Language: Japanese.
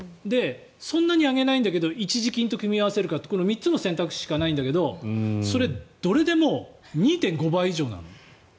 そんなに上げないんだけど一時金と組み合わせるかってこの３つの選択肢しかないんだけどそれ、どれでも２．５倍以上になるの。